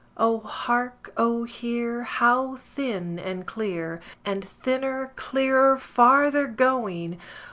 O hark, O hear! how thin and clear, And thinner, clearer, farther going!